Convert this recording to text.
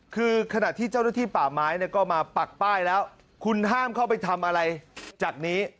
คือขณะที่เจ้าหน้าที่ป่าไม้ก็มาปักป้ายแล้วคุณห้ามเข้าไปทำอะไรจากนี้